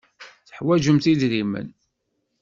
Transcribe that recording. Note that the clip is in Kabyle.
Teḥwajemt idrimen.